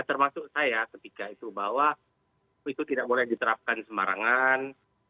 termasuk saya ketika itu bahwa itu tidak boleh diterapkan sembarangan